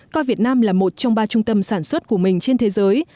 coi việt nam là một trong ba trung tâm sản xuất của mình trên thế giới